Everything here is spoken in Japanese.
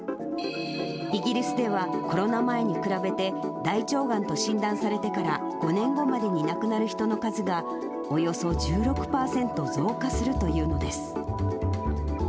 イギリスではコロナ前に比べて、大腸がんと診断されてから５年後までに亡くなる人の数が、およそ１６％増加するというんです。